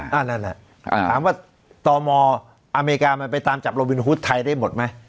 ถามว่าตอนมอร์อเมริกามันไปตามจับลูวินฮูดไทยได้หมดมั้ย